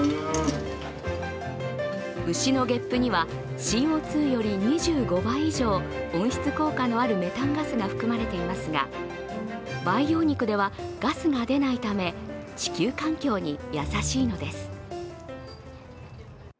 牛のゲップにはＣＯ２より２５倍以上、温室効果のあるメタンガスが含まれていますが培養肉ではガスが出ないため、地球環境に優しいのです。